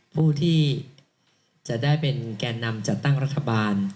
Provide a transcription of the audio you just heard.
ผู้ที่จะได้เป็นแก่นำจัดตั้งรัฐบาล